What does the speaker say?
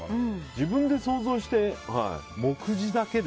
自分で想像して目次だけで。